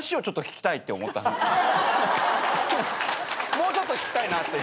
もうちょっと聞きたいなって。